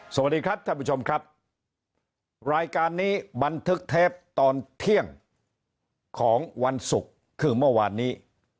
สวัสดีครับท่านผู้ชมครับรายการนี้บันทึกเทปตอนเที่ยงของวันศุกร์คือเมื่อวานนี้